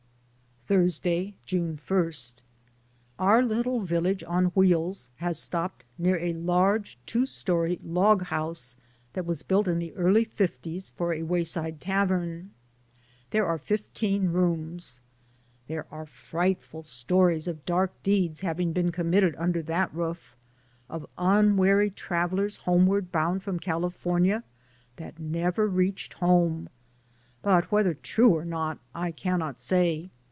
Thursday, June i. Our little village on wheels has stopped near a large two story log house that was built in the early fifties for a wayside tavern ; there are fifteen rooms; there are frightful stories told of dark deeds having been com mitted under that roof, of unwary travelers homeward bound from California that never reached home, but whether true or not I can not say.